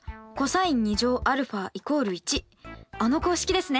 あの公式ですね。